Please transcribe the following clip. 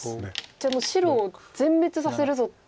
じゃあもう白を全滅させるぞっていう。